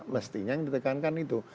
mestinya yang ditekankan itu